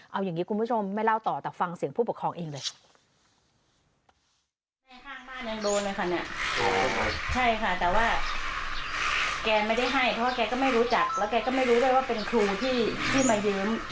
เอาอย่างนี้คุณผู้ชมไม่เล่าต่อแต่ฟังเสียงผู้ปกครองเองเลย